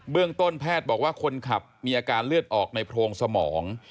ต้นแพทย์บอกว่าคนขับมีอาการเลือดออกในโพรงสมอง